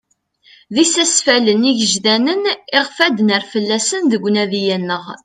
D isastalen igejdanen iɣef ad d-nerr fell-asen deg unadi-a-nneɣ.